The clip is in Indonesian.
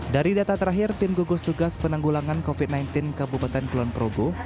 dari data terakhir tim gugus tugas penanggulangan covid sembilan belas ke bupetan kulonprogo